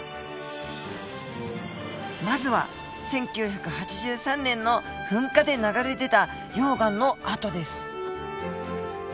まずは１９８３年の噴火で流れ出た溶岩の跡です。